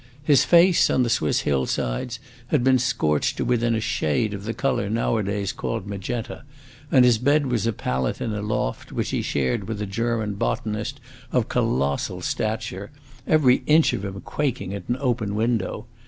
His face, on the Swiss hill sides, had been scorched to within a shade of the color nowadays called magenta, and his bed was a pallet in a loft, which he shared with a German botanist of colossal stature every inch of him quaking at an open window.